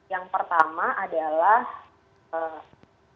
yang pertama adalah